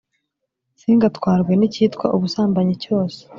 Singatwarwe n’icyitwa ubusambanyi cyose,